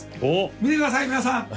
見てください皆さん！